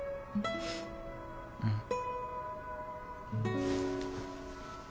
うん。